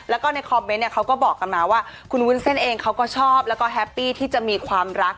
แล้วก็ในคอมเมนต์เนี่ยเขาก็บอกกันมาว่าคุณวุ้นเส้นเองเขาก็ชอบแล้วก็แฮปปี้ที่จะมีความรัก